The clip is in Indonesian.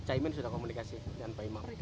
time nya sudah komunikasi dengan pak imam